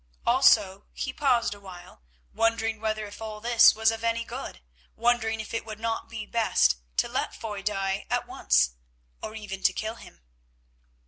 Also, he paused awhile wondering whether if all this was of any good, wondering if it would not be best to let Foy die at once, or even to kill him.